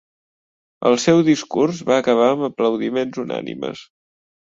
El seu discurs va acabar amb aplaudiments unànimes.